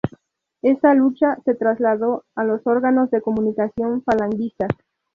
Esta lucha se trasladó a los órganos de comunicación falangistas.